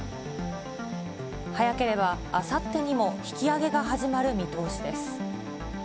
早ければあさってにも引き揚げが始まる見通しです。